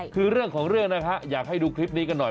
คือเรื่องของเรื่องนะฮะอยากให้ดูคลิปนี้กันหน่อย